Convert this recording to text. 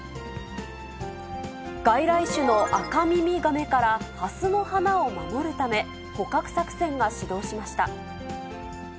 外来種のアカミミガメからハスの花を守るため、捕獲作戦が始動しました。